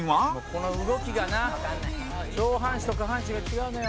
「この動きがな上半身と下半身が違うのよ」